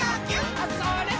あ、それっ！